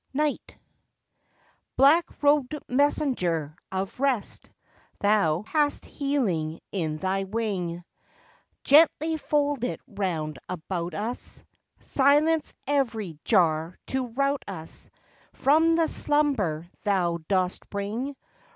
NIGHT Black robed messenger of rest, Thou hast healing in thy wing* Gently fold it round about us, Silence every jar to rout us, From the slumber thou dost bring.